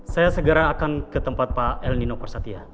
saya segera akan ke tempat pak eldino prasetya